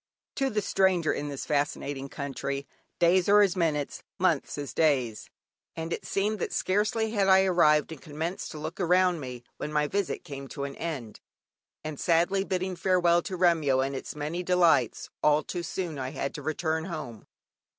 (Kipling.) To the stranger in this fascinating country, days are as minutes, months as days, and it seemed that scarcely had I arrived and commenced to look around me, when my visit came to an end, and sadly bidding farewell to Remyo and its many delights, all too soon I had to return home.